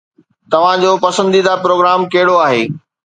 توهان جو پسنديده پروگرام ڪهڙو آهي؟